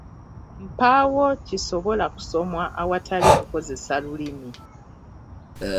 Mpaawo kisobola kusomwa awatali kukozesa lulimi.